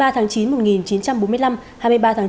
hai mươi ba tháng chín một nghìn chín trăm bốn mươi năm